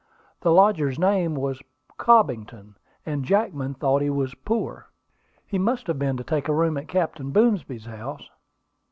The lodger's name was Cobbington; and Jackman thought he was poor." "He must have been, to take a room at Captain Boomsby's house."